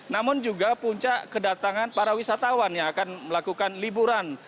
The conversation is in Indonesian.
namun juga puncak kedatangan para wisatawan yang akan melakukan liburan